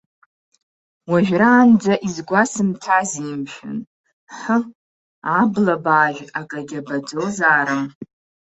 Уажәраанӡа изгәасымҭази, мшәан, ҳы, абла баажә акагьы абаӡозаарым!